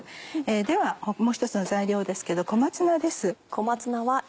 ではもう一つの材料ですけど小松菜です。